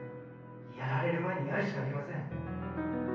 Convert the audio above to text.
やられる前にやるしかありません。